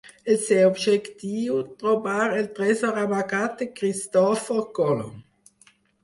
El seu objectiu: trobar el tresor amagat de Cristòfor Colom.